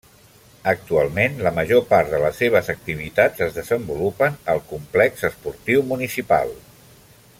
Actualment la major part de les seves activitats es desenvolupen al Complex Esportiu Municipal.